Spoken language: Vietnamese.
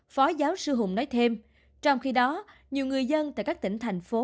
phó giáo sư hùng nói thêm trong khi đó nhiều người dân tại các tỉnh thành phố